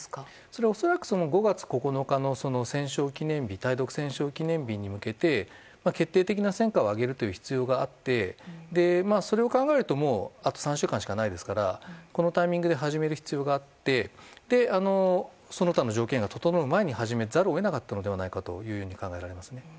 それは恐らく５月９日の対独戦勝記念日に向けて決定的な戦果を挙げるという必要があって、それを考えるとあと３週間しかないですからこのタイミングで始める必要があってその他の条件が整う前に始めざるを得なかったのではないかと考えます。